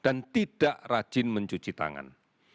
dan tidak rajin mencuci tangan